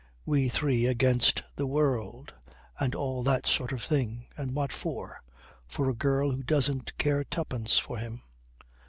We three against the world and all that sort of thing. And what for. For a girl that doesn't care twopence for him."